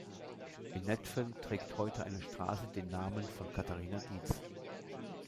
In Netphen trägt heute eine Straße den Namen von Katharina Diez.